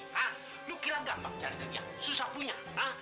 hah lu kira gampang cari kerja susah punya